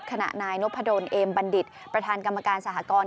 ขณะนายนพดลเอมบัณฑิตประธานกรรมการสหกร